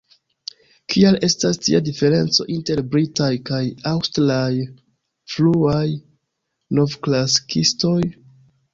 Kial estas tia diferenco inter britaj kaj aŭstraj fruaj novklasikistoj?